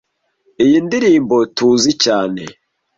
Iyi ndirimbo tuzi cyane